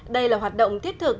đây là hoạt động thiết thực